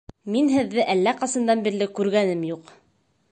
Мин һеҙҙе әллә ҡасандан бирле күргәнем юҡ!